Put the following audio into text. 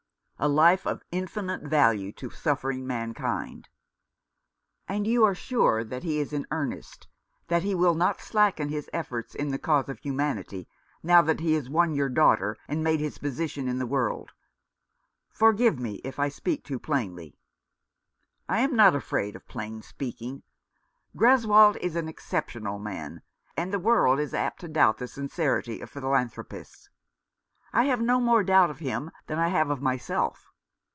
"A life of infinite value to suffering mankind." "And you are sure that he is in earnest, that he will not slacken his efforts in the cause of humanity, now that he has won your daughter and made his position in the world ? Forgive me if I speak too plainly." " I am not afraid of plain speaking. Greswold is an exceptional man, and the world is apt to doubt the sincerity of philanthropists. I have no more doubt of him than I have of myself.